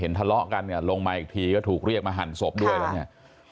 ทะเลาะกันเนี่ยลงมาอีกทีก็ถูกเรียกมาหั่นศพด้วยแล้วเนี่ย